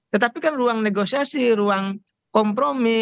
tetapi kan ruang negosiasi ruang kompromi